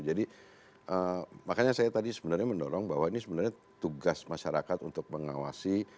jadi makanya saya tadi sebenarnya mendorong bahwa ini sebenarnya tugas masyarakat untuk mengawasi